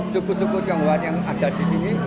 suku suku tionghoa yang ada disini